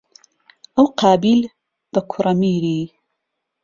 ئهو قابیل به کوڕهمیری